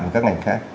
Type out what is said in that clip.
và các ngành khác